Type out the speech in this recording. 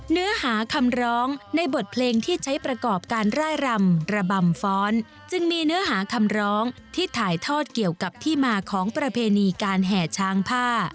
เนื้อหาคำร้องในบทเพลงที่ใช้ประกอบการร่ายรำระบำฟ้อนจึงมีเนื้อหาคำร้องที่ถ่ายทอดเกี่ยวกับที่มาของประเพณีการแห่ช้างผ้า